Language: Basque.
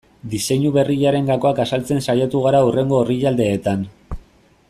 Diseinu berriaren gakoak azaltzen saiatu gara hurrengo orrialdeetan.